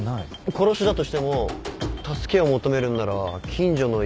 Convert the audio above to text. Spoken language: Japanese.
殺しだとしても助けを求めるんなら近所の家は坂の下だし。